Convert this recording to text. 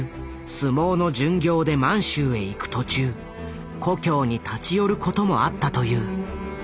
相撲の巡業で満州へ行く途中故郷に立ち寄ることもあったという。